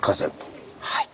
はい。